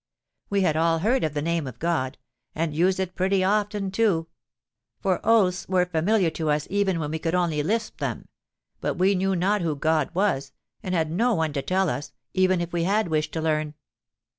We had all heard of the name of God, and used it pretty often too—for oaths were familiar to us even when we could only lisp them: but we knew not who God was, and had no one to tell us—even if we had wished to learn.